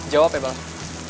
jawab ya bang